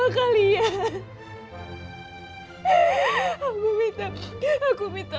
also kwalaikan alhut sullah kau ngancam